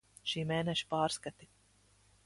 Šī mēneša pārskati.